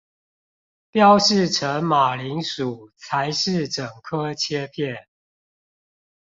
標示成馬鈴薯才是整顆切片